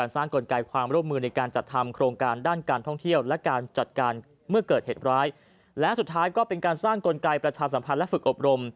สร้างกลไกรประชาสัมพันธ์และฝึกอบรม